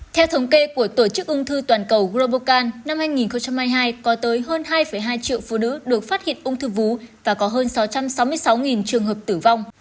theo thống kê của tổ chức ung thư toàn cầu global can năm hai nghìn hai mươi hai có tới hơn hai hai triệu phụ nữ được phát hiện ung thư vú và có hơn sáu trăm sáu mươi sáu trường hợp tử vong